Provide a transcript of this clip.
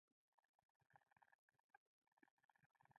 پلچک هغه ساختمان دی چې د اوبو د تیرېدو لپاره جوړیږي